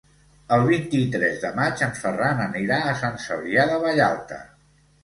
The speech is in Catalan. El vint-i-tres de maig en Ferran anirà a Sant Cebrià de Vallalta.